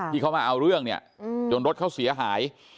ที่เขามาเอาเรื่องเนี่ยจนรถเขาเสียหาย